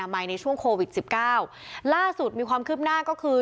ใหม่ในช่วงโควิดสิบเก้าล่าสุดมีความคืบหน้าก็คือ